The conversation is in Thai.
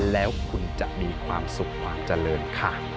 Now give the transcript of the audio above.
แล้วคุณจะมีความสุขความเจริญค่ะ